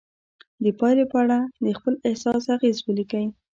د پایلې په اړه د خپل احساس اغیز ولیکئ.